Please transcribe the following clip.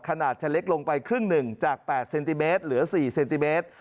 ขนาดจะเล็กลงไปครึ่งหนึ่งจาก๘เซนติเมตรเหลือ๔เซนติเมตร